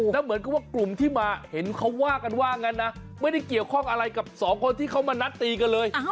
แล้วเหมือนกับว่ากลุ่มที่มาเห็นเขาว่ากันว่างั้นนะไม่ได้เกี่ยวข้องอะไรกับสองคนที่เขามานัดตีกันเลย